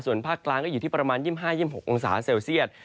ส่วนภาคกลางก็อยู่ที่ประมาณ๒๕๒๖องศาเซลเซียต